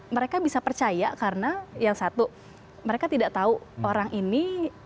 mereka bisa percaya karena yang satu mereka tidak tahu orang ini